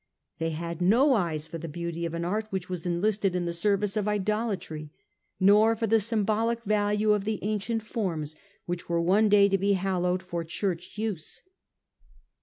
They had no eyes for the beauty of an art which was enlisted in the service of idolatry, nor for the symbolic value of the ancient forms which were one day to be hallowed for church use.